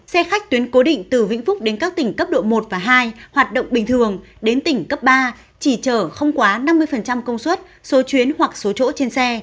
xe khách tuyến cố định từ vĩnh phúc đến các tỉnh cấp độ một và hai hoạt động bình thường đến tỉnh cấp ba chỉ chở không quá năm mươi công suất số chuyến hoặc số chỗ trên xe